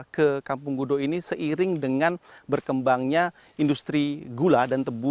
ke kampung gudo ini seiring dengan berkembangnya industri gula dan tebu